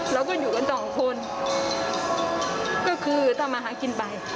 เราก็อยู่กันต่อของคนก็คือตามมาหากินใบ